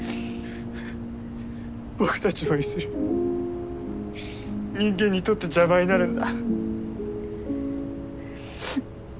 僕たちもいずれ人間にとって邪魔になるんだ。